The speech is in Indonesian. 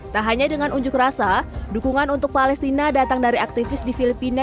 tak hanya dengan unjuk rasa dukungan untuk palestina datang dari aktivis di filipina